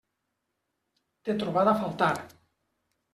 T'he trobat a faltar.